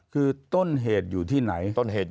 คือต้นเหตุอยู่ที่ไหน